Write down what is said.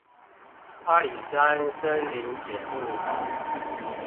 阿里山森林鐵路